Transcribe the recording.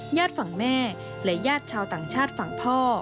ญาติฝั่งแม่และญาติชาวต่างชาติฝั่งพ่อ